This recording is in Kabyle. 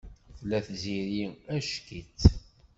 Tella Tiziri ack-itt.